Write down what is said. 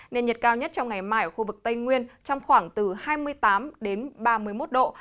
nền nhiệt cao nhất trong ngày mai ở khu vực tây nguyên trong khoảng từ hai mươi tám đến ba mươi một độ